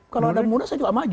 kalau ada muda saya juga maju